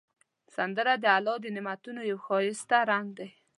سندره د الله د نعمتونو یو ښایسته رنگ دی